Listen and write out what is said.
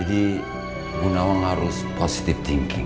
jadi munawang harus berpikir positif